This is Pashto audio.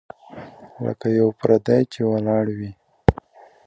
لکه یو پردی چي ولاړ وي .